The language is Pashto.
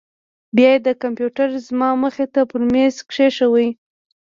بيا يې کمپيوټر زما مخې ته پر ميز کښېښوو.